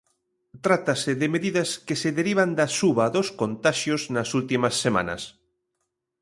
Trátase de medidas que se derivan da suba dos contaxios nas últimas semanas.